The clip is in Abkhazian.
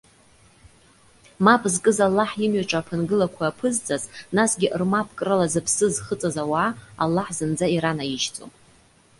Мап зкыз, Аллаҳ имҩаҿ аԥынгылақәа аԥызҵаз, насгьы рмапкрала зыԥсы зхыҵыз ауаа, Аллаҳ зынӡа иранаижьӡом.